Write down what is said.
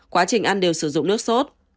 quá trình ăn đều sử dụng nước sốt